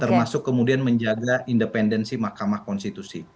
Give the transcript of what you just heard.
termasuk kemudian menjaga independensi mahkamah konstitusi